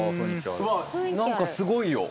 何かすごいよ。